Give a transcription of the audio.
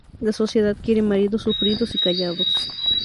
La sociedad quiere maridos sufridos y callados.